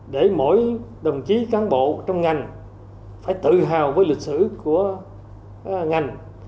để mỗi đồng chí cán bộ trong ngành phải tự hào với lịch sử của ngành